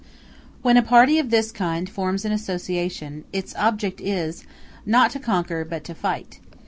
When a party of this kind forms an association, its object is, not to conquer, but to fight.